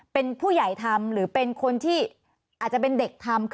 เป็นผู้ใหญ่ทำหรือเป็นคนที่อาจจะเป็นเด็กทำ